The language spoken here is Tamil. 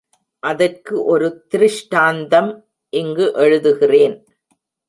அதற்கு ஒரு திருஷ்டாந்தம் இங்கு எழுதுகிறேன்.